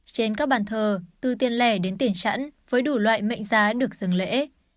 trên các bàn thờ từ tiền lẻ đến tiền chẵn với đủ loại mệnh giá được dừng lễ